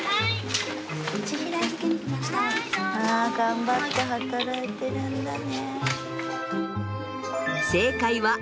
あ頑張って働いてるんだね。